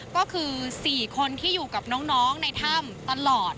ก็คือ๔คนที่อยู่กับน้องในถ้ำตลอด